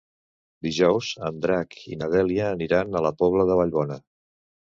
Dijous en Drac i na Dèlia aniran a la Pobla de Vallbona.